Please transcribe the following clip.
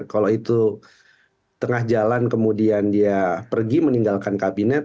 kalau itu tengah jalan kemudian dia pergi meninggalkan kabinet